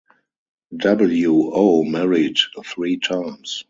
W. O. married three times.